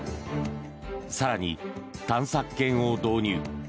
更に、探索犬を導入。